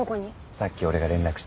さっき俺が連絡した。